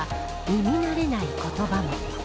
耳慣れない言葉も。